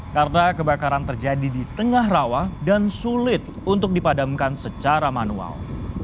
karena kebakaran terjadi di tengah rawa dan sulit untuk dipadamkan secara manual